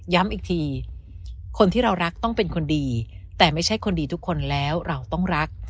ย้ำอีกทีคนที่เรารักต้องเป็นคนดีแต่ไม่ใช่คนดีทุกคนแล้วเราต้องรัก